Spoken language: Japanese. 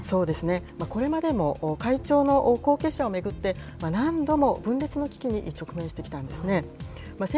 これまでも会長の後継者を巡って、何度も分裂の危機に直面してきたんですね。